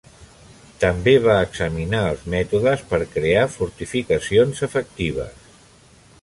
També va examinar els mètodes per crear fortificacions efectives.